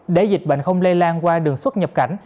để dịch bệnh không lây lan qua đường xuất nhập cảnh